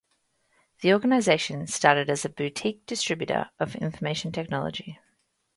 The organisation started as a boutique distributor of information technology.